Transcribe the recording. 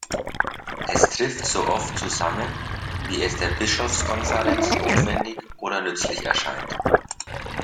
Es tritt so oft zusammen, wie es der Bischofskonferenz notwendig oder nützlich erscheint.